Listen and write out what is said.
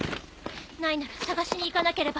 ないなら捜しに行かなければ！